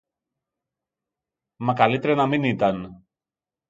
Μα καλύτερα να μην ήταν